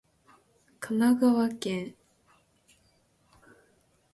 神奈川県秦野市